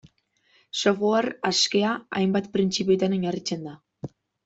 Software askea, hainbat printzipiotan oinarritzen da.